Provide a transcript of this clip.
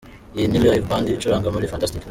Iyi ni Live Band icuranga muri Fantastic.